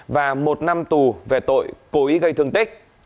và một năm tù về tội cố ý gây thương tích